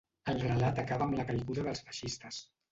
El relat acaba amb la caiguda dels feixistes.